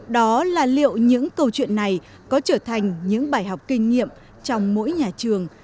đó là liệu những câu chuyện này có trở thành những bài học kinh nghiệm trong mỗi nhà trường